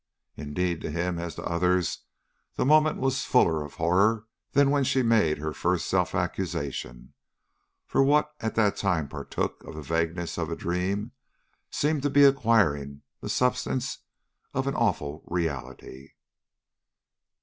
Indeed, to him as to others, the moment was fuller of horror than when she made her first self accusation, for what at that time partook of the vagueness of a dream, seemed to be acquiring the substance of an awful reality.